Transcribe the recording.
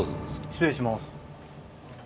失礼します。